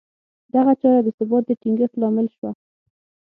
دغه چاره د ثبات د ټینګښت لامل شوه